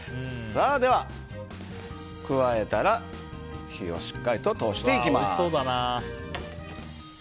では、加えたら火をしっかりと通していきます。